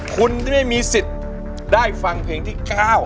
คุณที่ไม่มีสิทธิ์ได้ฟังเพลงที่๙